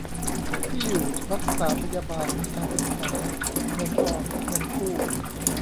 ที่อยู่-รักษาพยาบาล-การศึกษา-เงินออม-เงินกู้